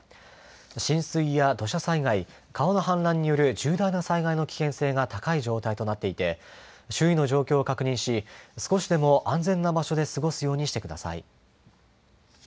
浸水や土砂災害川の氾濫による重大な災害の危険性が高い状態となっていて周囲の状況を確認し少しでも安全な場所で過ごすようにしてください。